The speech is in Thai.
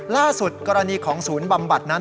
ล่าสุดกรณีของศูนย์บำบัดนั้น